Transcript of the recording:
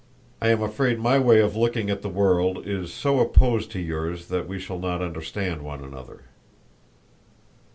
—I am afraid my way of looking at the world is so opposed to yours that we shall not understand one another."